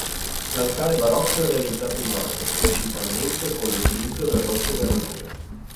L'altare barocco è realizzato in marmo, principalmente con l'utilizzo del rosso veronese.